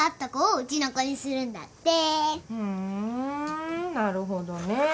ふんなるほどねぇ。